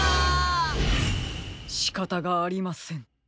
しかたがありません。